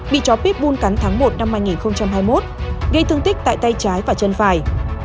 bị chó pít bun cắn tháng một năm hai nghìn hai mươi một gây thương tích tại tay trái và chân phải